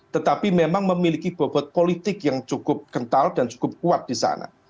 tetapi memang memiliki bobot politik yang cukup kental dan cukup kuat di sana